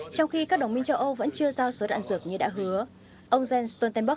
trong khi các đồng minh châu âu vẫn chưa giao số đạn dược như đã hứa ông jens stoltenberg